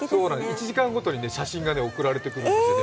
１時間ごとに写真が送られてくるんですよね。